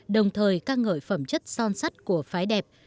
đồng thời ca ngợi phẩm chất son sắt của phái đẹp